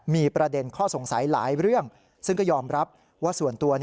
มีประเด็นข้อสงสัยหลายเรื่องซึ่งก็ยอมรับว่าส่วนตัว